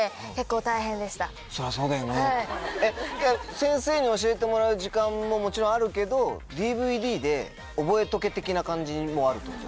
先生に教えてもらう時間ももちろんあるけどＤＶＤで覚えとけ的な感じもあるってこと？